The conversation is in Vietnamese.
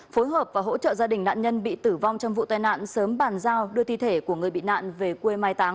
phối hợp và hỗ trợ gia đình nạn nhân bị tử vong trong vụ tai nạn sớm bàn giao đưa thi thể của người bị nạn về quê mai táng